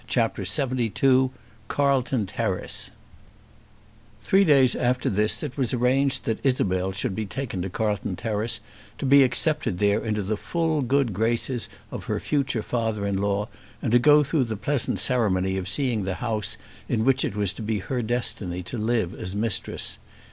CHAPTER LXXII Carlton Terrace Three days after this it was arranged that Isabel should be taken to Carlton Terrace to be accepted there into the full good graces of her future father in law, and to go through the pleasant ceremony of seeing the house in which it was to be her destiny to live as mistress.